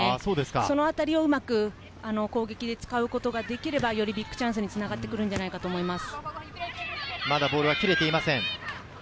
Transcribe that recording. そのあたりをうまく攻撃で使うことができれば、よりビッグチャンスにつながってくるのではないかと思います。